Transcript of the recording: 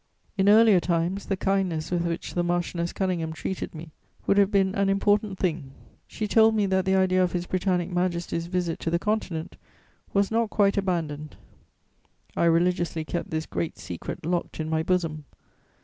In earlier times, the kindness with which the Marchioness Conyngham treated me would have been an important thing: she told me that the idea of His Britannic Majesty's visit to the Continent was not quite abandoned. I religiously kept this great secret locked in my bosom.